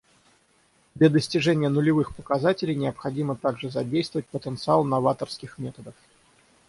Для достижения нулевых показателей необходимо также задействовать потенциал новаторских методов.